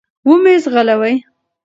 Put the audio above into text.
و مي ځغلوی .